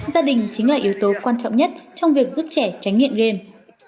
gia đình chính là yếu tố quan trọng nhất trong việc giúp trẻ tránh nghiện game